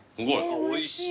おいしい。